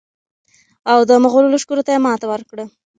او د مغولو لښکرو ته یې ماته ورکړه.